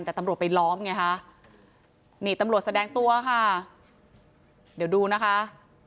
แต่ตำรวจไปล้อมไงคะนี่ตำรวจแสดงตัวค่ะเดี๋ยวดูนะคะ